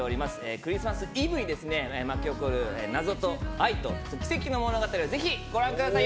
クリスマスイブに巻き起こる謎と愛と奇跡の物語をぜひ、ご覧ください。